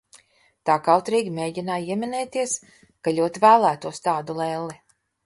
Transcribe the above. Tā kautrīgi mēģināju ieminēties, ka ļoti vēlētos tādu lelli.